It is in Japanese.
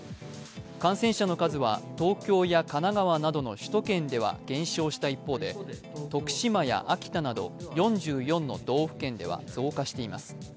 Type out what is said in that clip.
感染者の数は東京や神奈川などでの首都圏では減少した一方で徳島や秋田など４４の道府県では増加しています。